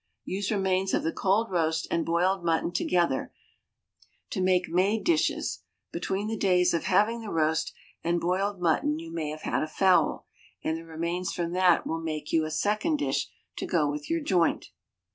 Use remains of the cold roast and boiled mutton together, to make made dishes; between the days of having the roast and boiled mutton you may have had a fowl, and the remains from that will make you a second dish to go with your joint.